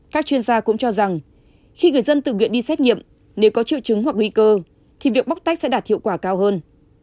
các chuyên gia cũng cho rằng khi người dân tự nguyện đi xét nghiệm nếu có triệu chứng hoặc nguy cơ thì việc bóc tách sẽ đạt hiệu quả cao hơn